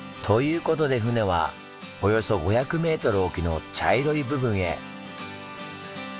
ということで船はおよそ５００ｍ沖の茶色い部分へ。